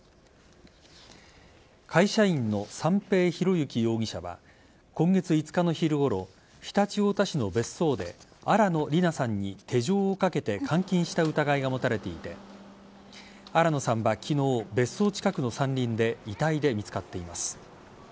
会社員の三瓶博幸容疑者は今月５日の昼ごろ常陸太田市の別荘で新野りなさんに手錠をかけて監禁した疑いが持たれていて新野さんは昨日別荘近くの山林で遺体で見つかっています。